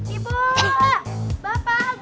ibu bapak guru